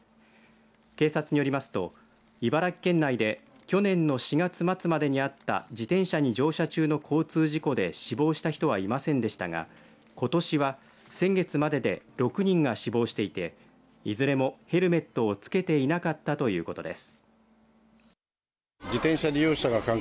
警察によりますと茨城県内で去年の４月末までにあった自転車に乗車中の交通事故で死亡した人はいませんでしたがことしは先月までで６人が死亡していていずれもヘルメットを着けていなかったということです。